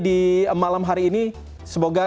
di malam hari ini semoga